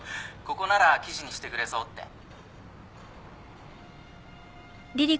ここなら記事にしてくれそうって。